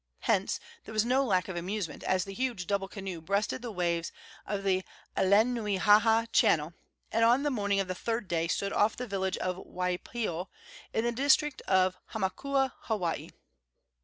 Hence there was no lack of amusement as the huge double canoe breasted the waves of Alenuihaha Channel, and on the morning of the third day stood off the village of Waipio, in the district of Hamakua, Hawaii.